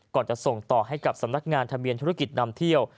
จะส่งต่อให้กับสำนักงานทะเบียนธุรกิจนำเที่ยว